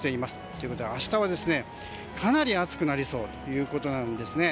ということで明日はかなり暑くなりそうということなんですね。